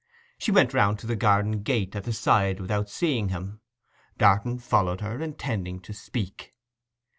She went round to the garden gate at the side without seeing him. Darton followed her, intending to speak.